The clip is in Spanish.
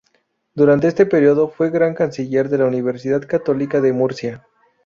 Durante este periodo fue gran canciller de la Universidad Católica de Murcia.